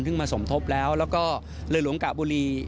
ซึ่งมาสมทบแล้วแล้วก็เรือหลวงกะบุรี